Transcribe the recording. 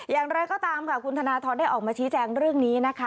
อย่างไรก็ตามค่ะคุณธนทรได้ออกมาชี้แจงเรื่องนี้นะคะ